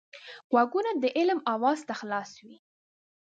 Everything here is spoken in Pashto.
غوږونه د علم آواز ته خلاص وي